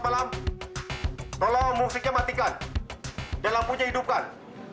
selamat malam tolong musiknya matikan dan lampunya hidupkan